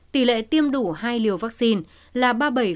tỷ lệ tiêm đủ hai liều vaccine là ba mươi bảy